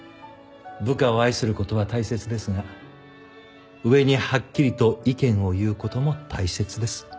部下を愛する事は大切ですが上にはっきりと意見を言う事も大切です。